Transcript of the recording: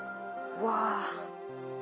うわ。